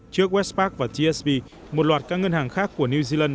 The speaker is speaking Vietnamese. trước westpac và tsb một loạt các ngân hàng khác của new zealand